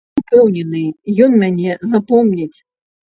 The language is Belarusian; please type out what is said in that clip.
Упэўнены, ён мяне запомніць.